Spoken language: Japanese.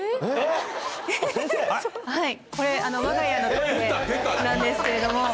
これわが家のトイレなんですけれども。